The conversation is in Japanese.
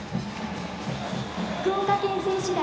福岡県選手団。